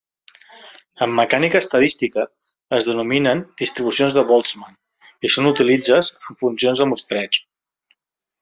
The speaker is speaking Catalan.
En mecànica estadística es denominen distribucions de Boltzmann i són utilitzes en funcions de mostreig.